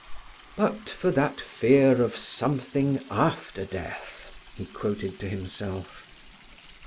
"'But for that fear of something after death,'" he quoted to himself.